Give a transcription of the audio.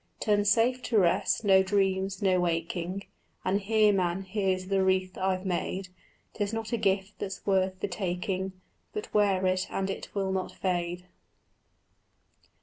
Turn safe to rest, no dreams, no waking; And here, man, here's the wreath I've made: 'Tis not a gift that's worth the taking, But wear it and it will not fade.